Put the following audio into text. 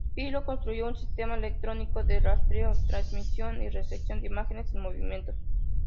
Philo construyó un sistema electrónico de rastreo, transmisión y recepción de imágenes en movimiento.